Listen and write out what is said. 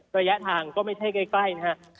ระยะทางก็ไม่ใช่ใกล้นะฮะ